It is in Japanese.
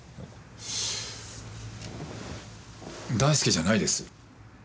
大祐じゃないです。